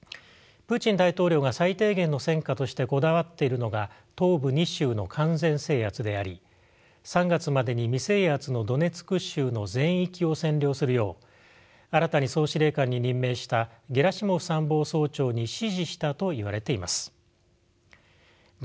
プーチン大統領が最低限の戦果としてこだわっているのが東部２州の完全制圧であり３月までに未制圧のドネツク州の全域を占領するよう新たに総司令官に任命したゲラシモフ参謀総長に指示したといわれています。